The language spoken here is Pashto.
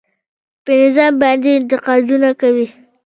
پر نظام باندې انتقادونه کوي.